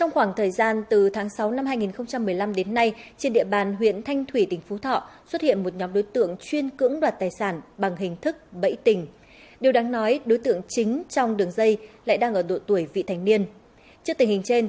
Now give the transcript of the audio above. hãy đăng ký kênh để ủng hộ kênh của chúng mình nhé